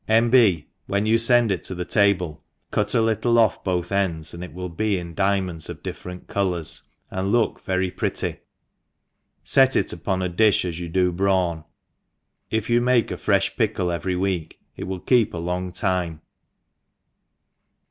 iV. J^. When you fend it to the table cut a little off both ends, and it will be in diamonds of diflerent colours, and look very pretty, fet it upon a difh as you do brawn ; if you make a frefli pickle every week it will keep a long time.